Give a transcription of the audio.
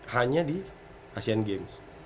hanya di asean games